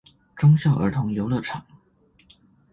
忠孝兒童遊樂場